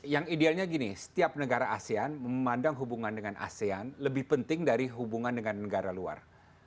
yang idealnya gini setiap negara asean memandang hubungan dengan asean lebih penting dari hubungan dengan negara luar